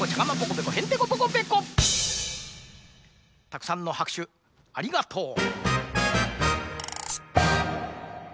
たくさんのはくしゅありがとう。